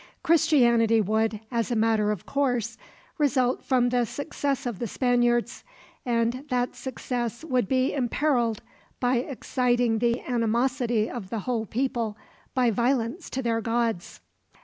Christianity would, as a matter of course, result from the success of the Spaniards; and that success would be imperiled, by exciting the animosity of the whole people by violence to their gods.